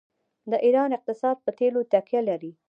د ایران اقتصاد په تیلو تکیه لري.